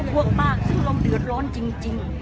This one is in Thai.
พวกมากซึ่งเราเดือดร้อนจริง